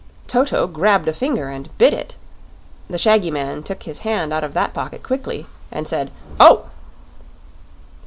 Toto grabbed a finger and bit it; the shaggy man took his hand out of that pocket quickly, and said "Oh!"